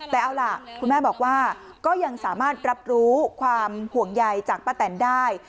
แต่เอาล่ะคุณแม่บอกว่าก็ยังสามารถรับรู้ความห่วงใยจากป้าแตนได้